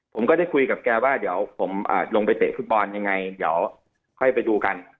ผมก็ได้คุยกับแกว่าเดี๋ยวผมลงไปเตะฟุตบอลยังไงเดี๋ยวค่อยไปดูกัน